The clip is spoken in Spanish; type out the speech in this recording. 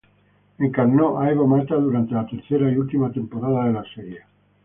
Encarnó a Eva Mata durante la tercera y última temporada de la serie.